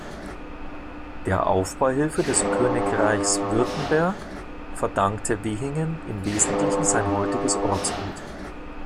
Der Aufbauhilfe des Königreichs Württemberg verdankte Wehingen im Wesentlichen sein heutiges Ortsbild.